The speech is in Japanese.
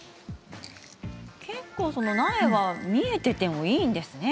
結構苗は見えていてもいいですね。